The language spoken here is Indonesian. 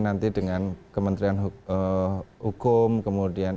nanti dengan kementerian hukum kemudian